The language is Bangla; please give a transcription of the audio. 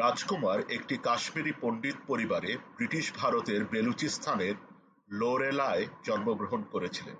রাজ কুমার একটি কাশ্মীরি পণ্ডিত পরিবারে ব্রিটিশ ভারতের বেলুচিস্তানের লোরেলায় জন্মগ্রহণ করেছিলেন।